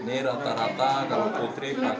ini rata rata kalau putri pakai empat dua empat tiga